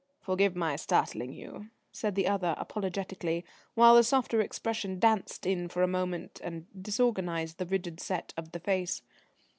"Forgive my startling you," said the other apologetically, while the softer expression danced in for a moment and disorganised the rigid set of the face.